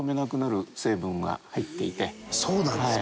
そうなんですか！